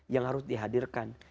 yang harus dihadirkan